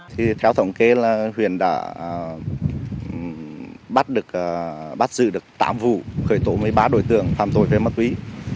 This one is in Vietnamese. theo thống kê là huyện đã bắt giữ được tám vụ khởi tổ một mươi ba đối tượng phạm tội về ma túy